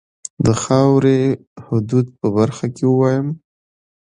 د خاوري حدودو په برخه کې ووایم.